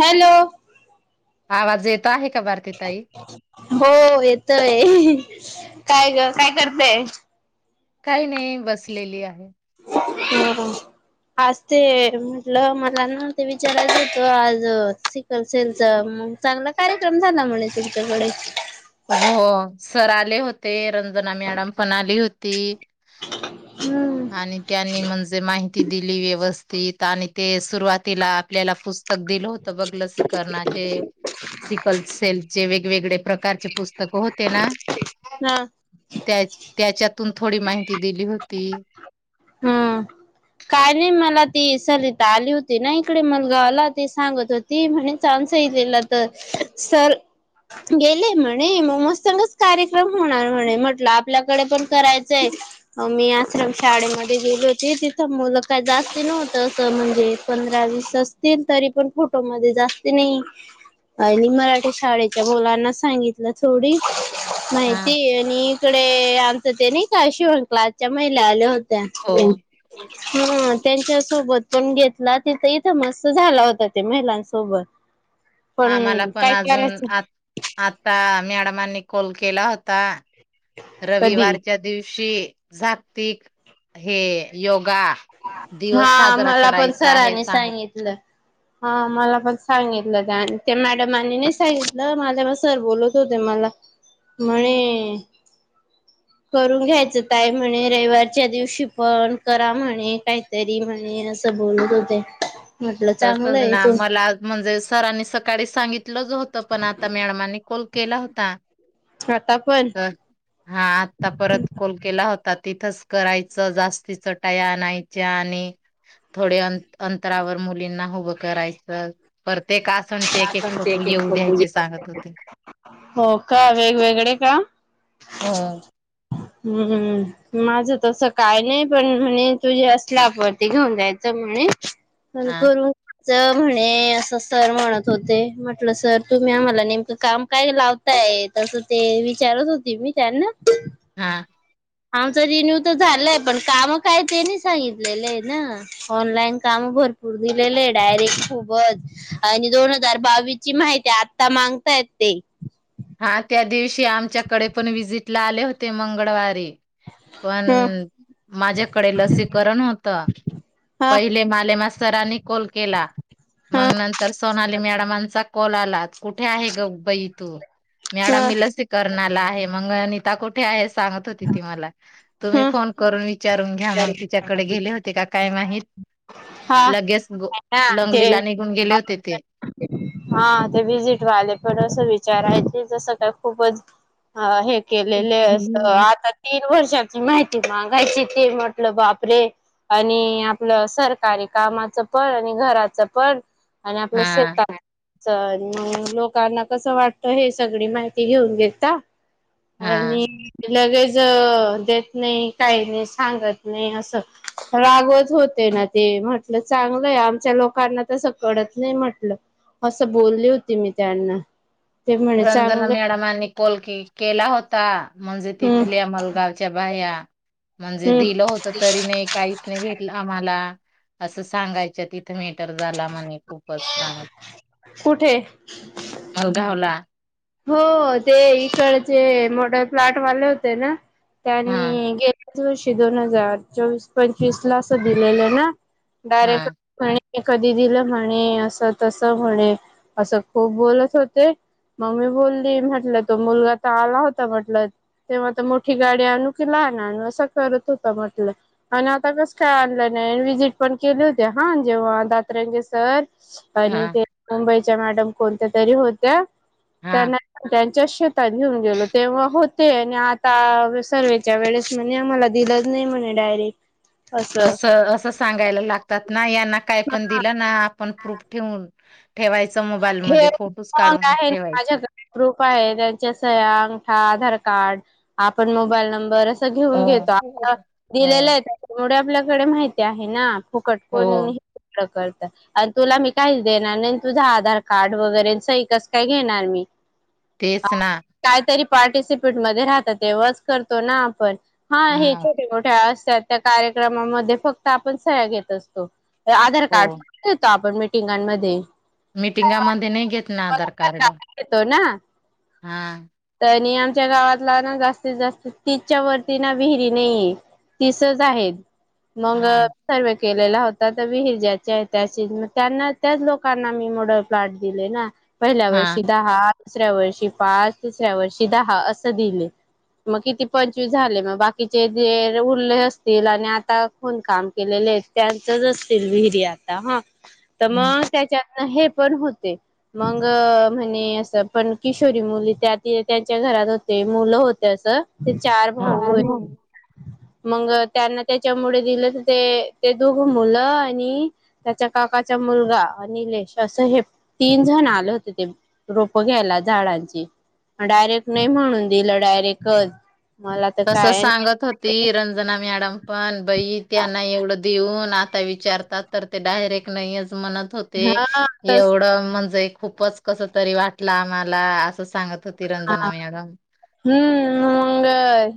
Hello आवाज येत आहे का बारती ताई हो येतय काय काय करतय काही नाही बसलेली आहे हम हम आज ते म्हटलं मला ना ते विचारायच होेतो आज कसेलचा चांगला कार्यक्रम झाला म्हणे तुमच्याकडे हो सर आले होते रंजना मॅडम पण आली होती आणि त्यांनी म्हणजे माहि ती दिली व्यवस्थित आणि ते सुरुवातीला आपल्याला पूस पुस्तक दिलं होत बघ लसिकणाचे सिकल सेलचे वेगवेगळे प्रकारचे पुस्तकं होते ना हा त्या त्याच्यातून थोडी माहिती दिली होती हम्म काय नाही मला ती सलिता आली होती ना इकडे मलगावाला ते सांगत होते त म्हणे चान्स येलेला तर सर गेले म्हणे मग मस्तंगच कार्यक्रम होणार म्हणे म्हटलं आपल्याकडे पण करायचंय हो मी आश्रम शाळेमध्ये गेली होती तिथं मुलं काय जास्ती नव्हतं असं म्हणजे पंधरा वस तील तरी पण फोटो मध्ये जास्त नाही आणि मराठी शाळेच्या मुलांना सांगितलं थोडी हा माहिती आणि इकडे आमचं ते नाही का शिवण क्लासच्या महिला आल्या होत्या हो ह हा त्यांच्यासोबत पण घेतला तिथं इथं मस्त झाला होता ते महिलांसोबत पण आम्हाला पण काय अजून करायचं आ आता मॅडमांनी कॉल केला होता कधी रविवारच्या दिवशी जागतिक हे योगा दिवस हा साजरा मला पण करायचा आहे सरांनी सांग सांगितलं. हा मला पण सांगितलं त्या ते मॅडमनी नाही सांगितलं मला म सर बोलू हो मला म्हणे करून घ्यायचं ताई म्हणे रविवारच्या दिवशी पण करा म्हणे, काय- तरी म्हणे, असं बोलत होते म्हटलं तसच चांगलं आहे ना तू मला म्हणजे सरांनी सकाळीच सांगितलंच होत त पण आता मॅडमनी कॉल केला होता. आता पण हा आता परत कॉल केला होता तिथंच करायचं जास्तीच टाय आणयच्या आणि [unintelligible] थोडे अत अंतरावर मुलींना उभं करायचं. प्रत्येक आसनचे एक एक फोटो येऊ द्यायचे सांगत होते. हो का वेगवेगळे का. हा हम्म माझं तस काय नाही पण म्हणे तुझे असलापरती घेऊन जायचं म्हणे. अन् हा करू म्हणे असं सर म्हणत होते म्हटलं सर तुम्ही आम्हाला नेमकं काम काय लाव- य तसं ते विचारत होती मी त्यांना- हा आमच रेन्यू तर झालंय पण काम काय तेनी सांगितलेलं आहे ना ऑनलाईन काम भरपूर दिलेले आहे डायरेक्ट खूपच. आणि दोन हजार बावीस ची माहिती आता मांगतायत ते. हा त्या दिवशी आमच्याकडे पण विजिट ला आले होते मंगळवारी. पण ह माझ्याकडे लसीकरण होत. ह पहिले माले मास्तरानी कॉल केला. मग ह नंतर सोनाली मॅडमांचा कॉल आला, कुठे आहे ग बाई तु मॅडम मी लसीकरणाला आहे, मग अनीता कुठे आहे सांगत होती ती मला. ह तुम्ही ह फोन करून विचारून घ्या मग तिच्याकडे गेले होते काय माहीत. हा लगेच गो ना ते लंगडीला निघून गेले होते ते हा ते विजिट वाले थोडस विचारायचे जसं काय खूपच- ह हे केलेले असत आता तीन वर्षां- माहिती मागायची ते म्हटलं बापरे- आणि आपलं सरकारी कामाचं पण आणि घराच पण आणि आपलं हा शेत- च मग लोकांना कसं वाटत हे सगळी माहिती घेऊन घेत- हा आणि लगेच देत नाही, काही नाही, सांगत नाही असं. रागवत होते ना ते, म्हटलं चांगलंय आमच्या लोकांना तस कडत नाही म्हटलं. असं बोलले होती मी त्यांना. ते म्हणे रंजना चांगलं मॅडमांनी कॉल की केला होता. म्हणजे हम्म तिथल्यामलगावच्या बाहया म्हणजे हम्म दिलं होत तरी नाही- काहीच नाही घेतलं आम्हाला, असं सांगायच्या ती - मॅटर झाला म्हणे खूपच सांगत, कुठे मलगावला. हो ते इकडचे मोठ प्लटवाले होते ना, त्यांनी हा घे - पाच वर्षी दोन हजार चोवीस, पंचवीस ला असं दिलेलं ना, हा डायरेक्ट- म्हणे कधी दिलं म्हणे अस तस म्हणे असं खूप बोलत होते. मग मी बोलली म्हटल तो मुलगा तर आला होता म्हटल. तेव्हा तर मोठी गाडी आणू की लहान आणू असं करत होता म्हटलं. आणि आता कसं काय आणलं नाही विजिट पण केली होते हा जेव्हा दातरंगेसर- आणि हा ते मुंबईच्या मॅडम कोणत्या तरी होत्या. हा त्यांना त्यांच्याच शेतात घेऊन गेलो तेव्हा होते आणि आता सर्वेच्या वेळेस- तुम्ही आम्हाला दिलंच नाही म्हणे डायरेक्ट. असं असं सांगायला लाग- तात ना, यांना काय पण दिलं ना आपण प्रूफ ठेवून, ठेवायच- मोबाईल मध्ये फोटोच काढून ठेवायचा. प्रूफ आहे. त्यांच्या सह्या, अंगठा, आधार कार्ड आपण मोबाईल नंबर- हो लिहून घेता. दिलेलं हो आहे तेवढ आपल्याकडे माहिती आहे ना? फुकट हो कोण [unintelligible] आणि तुला मी काहीच देणार नाही - तुझा आधार कार्ड वगैरे सही कस काय घेणार मी? तेच ना. कायतरी पार्टिसिपेट मध्ये राहतात. तेव्हाच करतो ना आपण? हा. हे मग छोटे मोठ्या असतात त्या कार्यक्रमामध्ये फक्त आपण सह्या घेत असतो. आधार हो कार्ड [unintelligible] आपण मिटिंगांमध्ये. मीटिंगामध्ये नाही घेत ना आधार कार्ड. [unintelligible] येतो ना? हा. काय नाही आमच्या गावातला ना जास्तीत जास्त तीस च्या वरती ना विहिरी नाहीये. तिसच आहेत. मग हा सर्वे केलेला होता तर, विहिर ज्याची आहे त्याशी त्यांना त्याच लोकां- ना [unintelligible] कार्ड दिले ना, पहिल्या हा वर्षी दहा- दुसऱ्या वर्षी पाच, तिसऱ्या वर्षी दहा असं दिले. मग किती पंचवीस झाले. मग बाकीचे जे उरले असतील आणि आता कोण काम- केलेलए त्यांचच असतील विहिरी आता हा. तर हम्म मग त्याच्या- हे पण होते. मंग म्हणे असं. पण किशोरी मुली त्या त्यांच्या घरात होते. मुलं होते असं- ते चार हा भाऊ बहीण- मंग त्यांना त्याच्यामुळे दिलं तर ते, ते दोघं मुल आणि- त्याच्या काकाचा मुलगा अनिलए- असं हे तीन जण आले होते ते रोप घ्यायला झाडांची. डायरेक्ट नाही म्हणून दिलं डायरेक्टच. मला तर तस काय सांगत होती नाही रंजना मॅडम पण. बई त्यांना एवढं देऊन आ- विचारतात तर ते डायरेक्ट नाहीयच म्हणत होते. हा तस एवढं म्हणजे खूपच- कस तरी वाटल आम्हाला असं सांगत होती हा रंजना मॅडम. हम्म. मंग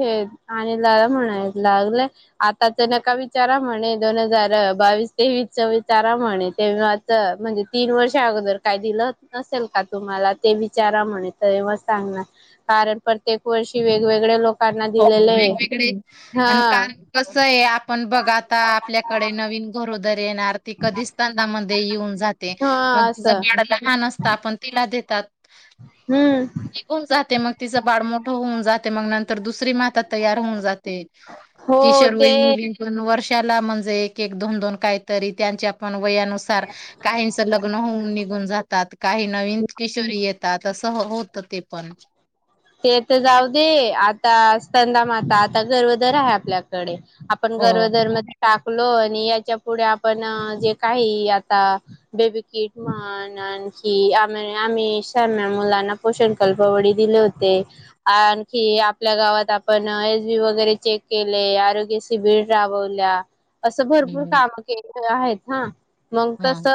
हे आणि [unintelligible] म्हणायला लागले. आताच नका विचारा म्हणे. दोन हजार बावीस तेवीसच विचारा म्हणे तेव- म्हणजे तीन वर्षा अगोदर काय दिलं नसेल का तुम्हाला? ते विचारा म्हणे. तेव्हा- कारण प्रत्येक वर्षी वेगवेगळे लोक- हो वेगवेगळे. आणि कारण कस आहे आपण बघा आता आपल्याकडे नवीन- ते कधीच [unintelligible] येऊन जाते हा असं मगं [unintelligible] लहान असता आपण - तिला देतात. हम्म. टिकून जाते. मग तिचं बाळ मोठं होऊन जाते मग नंतर दुसरी माता- तयार होऊन जाते. हो किशोरवयीन ते मुली- वर्षाला म्हणजे एक एक दोन दोन काही तरी त्यांच्या- पण वयानुसार काहींच लग्न होऊन निघून जातात. काही नवीन किशोरी येत- तात. अस होत ते पण. ते ते जाऊदे आता सनदा माता आता गरोदर आहे आपल्याकडे आपण हो गर्भधर मध्ये टाकलो आणि याच्या पुुढे आपण जे काही आता बेबी किट म्ह आणखी आम आम्ही शहाण्या मुलांना पोषण कल्पवडी दिले होते. आणखी आपल्या गावात आपण एस बी वगैरे चेक केले आरो्ग्य सिबीर राबवल्या असं भरपूर हम्म काम केले आहेत हा मग हा तस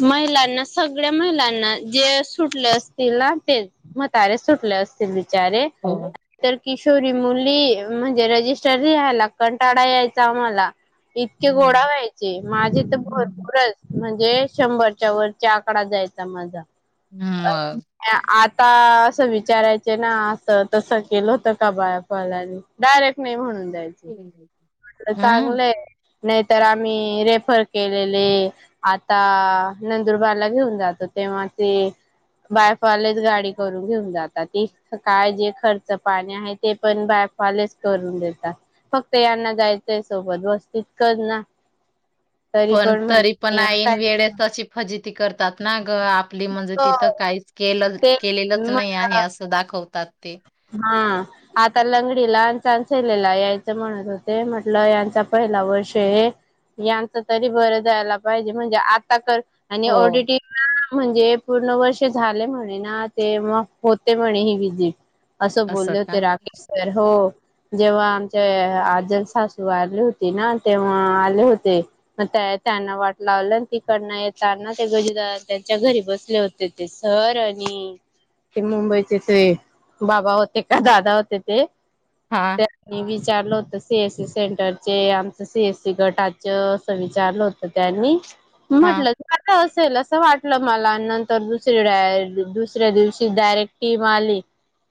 महिलांना सगळ्या महिलांना जे सुटले असतील ना तेच. म्हातारे सुटले असतील बिचारे. हो तर किशोरी मुली म्हणजे रजिस्टर यायला कंटाडा यायचा आम्हाला. इतके घोडा व्हायचे माझे तर भरपूरच. म्हणजे शंभरच्या वरचा आकडा जायचा माझा. मग आता असं विचारायच. जे ना असं तसं केलं होत का बायाफला डायरेक्ट नाही म्हणून जायच. [unintelligible] हम्म चांगलंय नाहीतर आम्ही रेफर केलेले. आता नंदुरबारला घेऊन जातो तेव्हा ते बायफलेच गाडी करून घेऊन जातात ती काय जे खर्च पाणी आहे ते पण बाय करून देतात फक्त यांना जायचंय सोबत [unintelligible] कर ना तरी पण म्हण तरी पण आईन काय वेळेस अशी फजिती करतात ना ग आपली म्हणजे तिथं हो काहीच केेलच. ते केलेलंच नाही आहे मला असं दाखवतात ते हा आता लंगडीला चांसलेला यायचं म्हणत होते म्हटलं यांचा पहिला वर्ष हे यांच तरी बरं जायला पाहिजे म्हणजे आता कर आणि हो ओडीटी म्हणजे पूर्ण वर्ष झाले म्हणे ना ते मग होते म्हणे ही विझी. असं बोलले होते राकेश स हो जेव्हा आमच्या आजल सासू वारली होती ना तेव्हा आले होते. मग त्या त्यांना वाट लावलं तिकडन येताना ते गज त्यांच्या घरी बसले होते. ते सर आणि ते मुंबईचेथ- बाबा होते का दादा होते ते हा म विचारलं होत सी एस सी सेंटर चे आमचं सीएस सी गटाच असं विचारलं होत. त्यांनी हा म्हटलं आता असेल असं वाटलं मला आणि नंतर दुसरी डाय दुसऱ्या दिवशी डायरेक्ट टीम आली.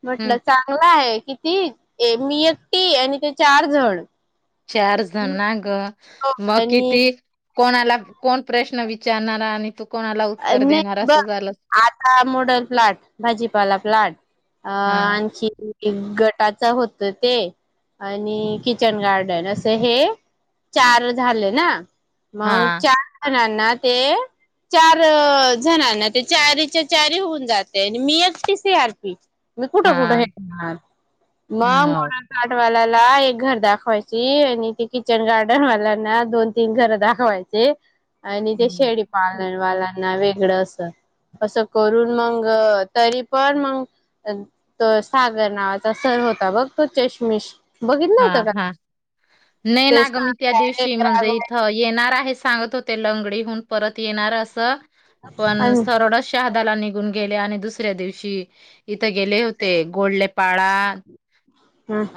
म्हटलं हम्म चांगला आहे किती मी एकटी आणि ते चार ज‌ण चार जण ना ग मग आणि किती कोणाला कोण प्रश्न विचारणार आणि तू कोणाला अ उत्तर देणार नाही बघ असं झालं आता मोडल प्लाट भाजीपाला प्लाट अ हा आणखी गटाच होत ते आणि किचन गार्डन असं हे. चार झाले ना हा मग चार जणांना ते चार जणांना ते चारीच्या चारी होऊन जाते आणि मी एक ती सीआरपी. मी कुठं कुठं हा हेटणार मा मग मोड पाठवाल्याला एक घर दाखवायची आणि ते किचन गार्डन वाल्यांना दोन तीन घर दाखवायची. ते आणि ते हम्म. शेडीपालनवालांना वेगळं असं. असं करून मग तरी पण मग अ तो सागर नावाचा सर होता बघ, तो. चष्मिश. बघित हा नव्हतं का? हा नाही ते ना गं. मी त्या दिवशी, म्हणजे इथं येणार आहे. सांगत होत ते लंगडीहून परत येणार असं. पण सरडश शहादाला निघून गेल्या आणि दुसऱ्या दिवशी इथं गेले होते. गोडले पाळा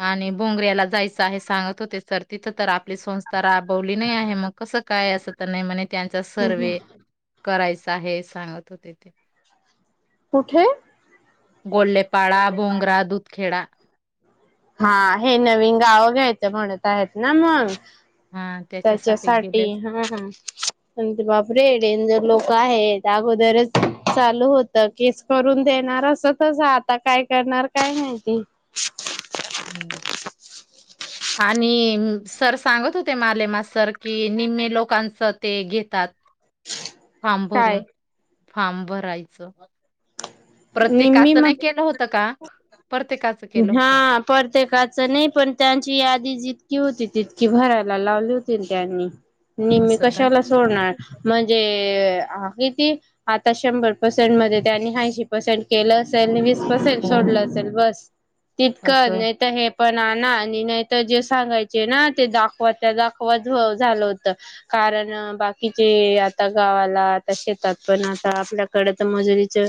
आणि बुंगऱ्याला जायचं आहे सांगत होते, सर. तिथं तर आप ली संस्था राबवली नाही, आहे. मग कसं काय, असं? तर नाही म्हणे, त्यांचा सर्वे करायचा आहे. सांगत होते ते. कुठे? गोल्लेपाळा, बोंगरा, दूधखेडा. हा, हे नवीन गावं घ्यायचं, म्हणत आहेत ना. मग हा गेले त्याच्यासाठी, असतील. ह. पण ते, बाप रे! डेनजर लोक आहेत, अगोदरच. चालू होतं. केस करून देणार. असं - तसं. आता काय करणार, काय माहिती? हम्म. [inaudible] आणि सर सांगत होते, मालेमा सर की, निम्मे लोकांचं ते घेतात. फार्म काय भरून. फार्म भरायचं. निम्मी प्रत्येकाचं नाही मग केलं होतं का? प्रत्येकाचं केलं होत. परत्येकाचं नाही पण, त्यांची यादी जितकी होती, तितकी भरायला लावली होती न त्यांनी. निम्मी, असं का? कशाला सोडणार? म्हणजे किती? आता शंभर पर्सेंट मध्ये त्यांनी ऐंशी पर्सेंट केलं असेल. नि वीस पसेट हो सोडलं असेल. बस! तितकं असं नाही तर हे पण ना आणि नाही तर जे सांगायचे ना, ते दाखवता दाखवत झालं होत. कारण, बाकीचे आता गावाला, आता शेतात पण आता आपल्याकडे तर मजुरी च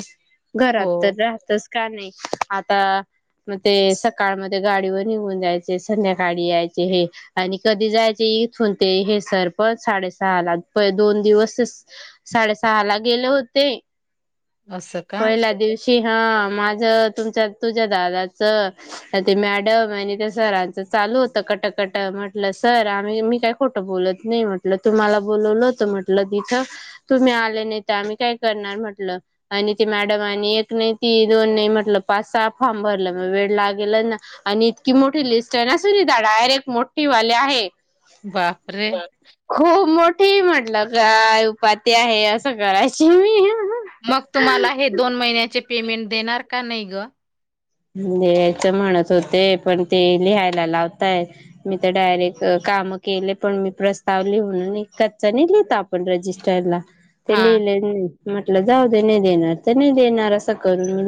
घरात हो तर राहतच का नाही. आता मग ते सकाळमध्ये गाडीवर निघून जायचे. संध्याकाळी यायचे हे आणि कधी जायचे, इथून ते हे सर पण साडेसहाला. प दोन दिवस साडेसहाला गेले होते असं. का? पहिल्या दिवशी. हा माझं, तुमच्या - तुझ्या दादाचं ते मॅडम आणि त्या सरांच चालू होतं, कटकट. म्हटलं, सर आम्ही, मी काय खोटं बोलत नाही, म्हटलं. तुम्हाला बोलवलं होतं, म्हटलं तिथं. तुम्ही आले नाही तर, आम्ही काय करणार म्हटलं. आणि ती मॅडम आणि एक नाही, ती दोन नाही म्हटलं. पाच- सहा फार्म भरलं म वेळ लागेल ना. आणि इतकी मोठी लिस्टय ना सर, डायरेक्ट मोठीवाले आहे. बापरे! खूप मोठीय म्हटलं. काय उपाती आहे, असं करायची मी मग तुम्हाला हे, दोन महिन्याचे पेमेंट देणार का, नाही ग? देयत म्हणत होते, पण ते लिहायला लावतायत. मी तर डायरेक्ट काम केले. पण मी प्रस्ताव लिहून, कच्चा नाही लिहीत आप पण रजिस्टरला. ते हां. लिहिले नाही. म्हटलं जाऊ दे. नाही देणार तर नाही देणार. असं करून